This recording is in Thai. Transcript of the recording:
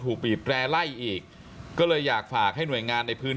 บีบแร่ไล่อีกก็เลยอยากฝากให้หน่วยงานในพื้น